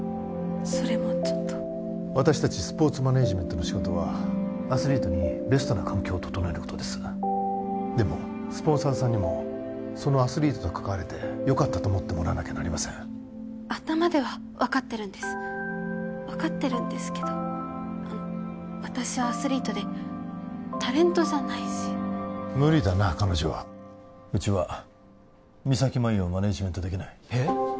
それもちょっと私達スポーツマネージメントの仕事はアスリートにベストな環境を整えることですでもスポンサーさんにもそのアスリートと関われてよかったと思ってもらわなきゃなりません頭では分かってるんです分かってるんですけど私はアスリートでタレントじゃないし無理だな彼女はうちは三咲麻有をマネージメントできない